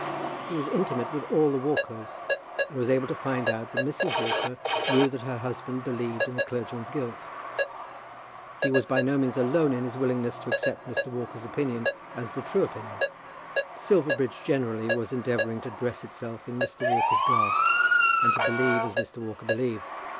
He was intimate with all the Walkers, and was able to find out that Mrs. Walker knew that her husband believed in the clergyman's guilt. He was by no means alone in his willingness to accept Mr. Walker's opinion as the true opinion. Silverbridge, generally, was endeavouring to dress itself in Mr. Walker's glass, and to believe as Mr. Walker believed.